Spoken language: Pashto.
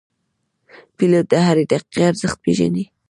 پیلوټ د هرې دقیقې ارزښت پېژني.